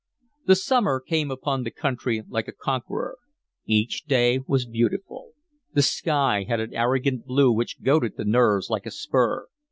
The summer came upon the country like a conqueror. Each day was beautiful. The sky had an arrogant blue which goaded the nerves like a spur.